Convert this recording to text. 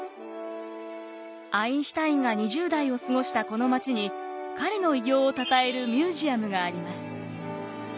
アインシュタインが２０代を過ごしたこの街に彼の偉業をたたえるミュージアムがあります。